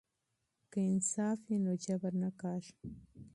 که انصاف وي نو ظلم نه کیږي.